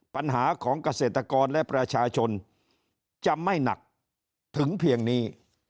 ปัญหาของเกษตรกรและประชาชนจะไม่หนักถึงเพียงนี้